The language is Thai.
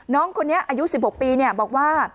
น้องคนนี้อายุ๑๖ปีบอกว่า